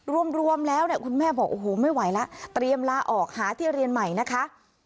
รวมแล้วเนี่ยคุณแม่บอกโอ้โหไม่ไหวแล้วเตรียมลาออกหาที่เรียนใหม่นะคะ